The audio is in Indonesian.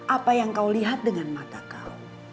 apa yang kau lihat dengan mata kau